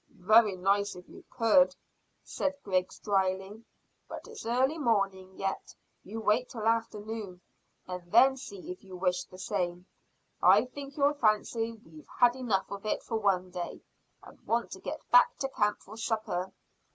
"Very nice if you could," said Griggs dryly. "But it's early morning yet. You wait till afternoon, and then see if you wish the same. I think you'll fancy we've had enough of it for one day, and want to get back to camp for supper."